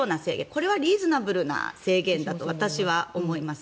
これはリーズナブルな制限だと私は思います。